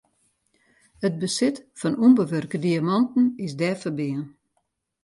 It besit fan ûnbewurke diamanten is dêr ferbean.